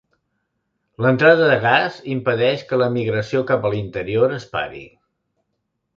L'entrada de gas impedeix que la migració cap a l'interior es pari.